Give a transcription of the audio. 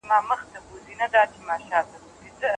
ورو فایبرونه د اوږدمهاله فعالیت لپاره مناسب دي.